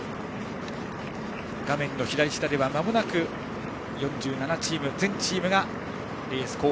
画面の左下ではまもなく４７チーム全チームがレース後半。